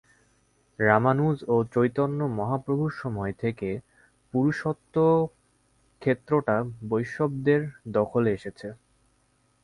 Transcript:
রামানুজ ও চৈতন্য-মহাপ্রভুর সময় থেকে পুরুষোত্তমক্ষেত্রটা বৈষ্ণবদের দখলে এসেছে।